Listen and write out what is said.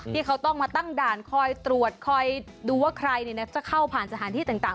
ที่เขาต้องมาตั้งด่านคอยตรวจคอยดูว่าใครจะเข้าผ่านสถานที่ต่าง